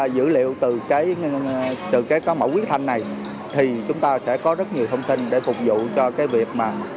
dữ liệu từ cái mẫu huyết thanh này thì chúng ta sẽ có rất nhiều thông tin để phục vụ cho cái việc mà